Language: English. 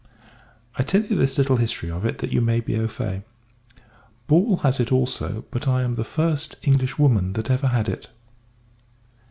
I tell you this little history of it, that you may be au fait. Ball has it also, but I am the first Englishwoman that ever had it.